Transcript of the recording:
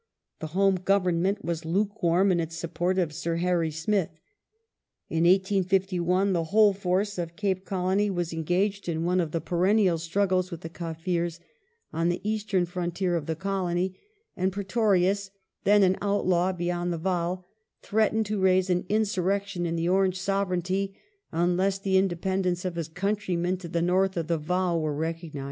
The Home Government was lukewarm in its support of Sir Harry Smith. In 1851 the whole force of Cape Colony was engaged in one of the perennial struggles with the Kaffirs on the eastern frontier of the Colony, and Pi'e torius, then an outlaw beyond the Vaal, threatened to raise an insurrection in the Orange Sovei eignty unless the independence of his countrymen to the north of the Vaal were recognized.